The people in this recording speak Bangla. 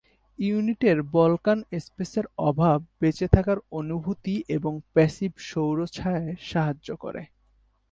ইউনিট এর বলকান স্পেসের অভাব বেঁচে থাকার অনুভূতি এবং প্যাসিভ সৌর ছায়ায় সাহায্য করে।